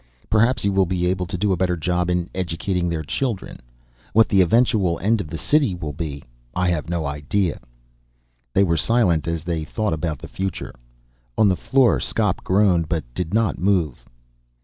Perhaps you will be able to do a better job in educating their children. What the eventual end of the city will be, I have no idea." They were silent as they thought about the future. On the floor Skop groaned but did not move.